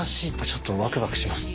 ちょっとワクワクします。